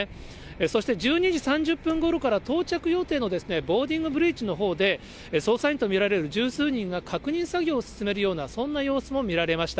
そして、１２時３０分ごろから、到着予定のボーディングブリッジのほうで、捜査員と見られる十数人が確認作業を進めるような、そんな様子も見られました。